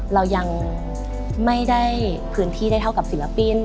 เรายังไม่ได้พื้นที่ได้เท่ากับศิลปิน